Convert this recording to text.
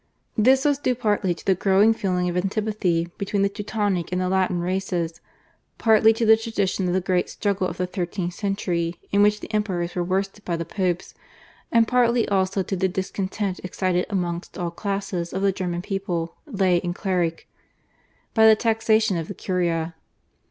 This was due partly to the growing feeling of antipathy between the Teutonic and the Latin races, partly to the tradition of the great struggle of the thirteenth century in which the Emperors were worsted by the Popes, and partly also to the discontent excited amongst all classes of the German people, lay and cleric, by the taxations of the Curia.